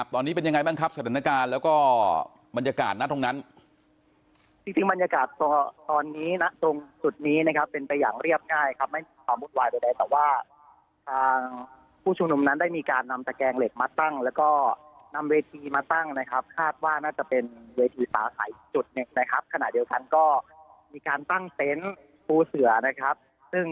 ตอนนี้เป็นยังไงบ้างครับสถานการณ์แล้วก็บรรยากาศนะตรงนั้นจริงบรรยากาศตอนนี้นะตรงจุดนี้นะครับเป็นไปอย่างเรียบง่ายครับไม่มีความวุ่นวายใดแต่ว่าทางผู้ชุมนุมนั้นได้มีการนำตะแกงเหล็กมาตั้งแล้วก็นำเวทีมาตั้งนะครับคาดว่าน่าจะเป็นเวทีสาขาอีกจุดหนึ่งนะครับขณะเดียวกันก็มีการตั้งเต็นต์ปูเสือนะครับซึ่ง